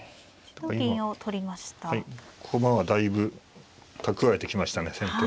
駒はだいぶ蓄えてきましたね先手。